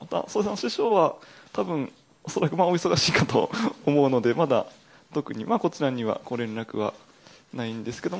師匠はたぶん、恐らくお忙しいかと思うので、まだ特にこちらにはご連絡はないんですけど。